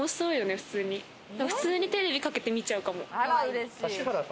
普通にテレビかけて見ちゃうかも。